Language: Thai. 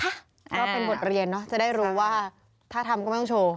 ก็เป็นบทเรียนเนอะจะได้รู้ว่าถ้าทำก็ไม่ต้องโชว์